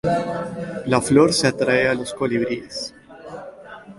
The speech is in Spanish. La flor se atrae a los colibríes.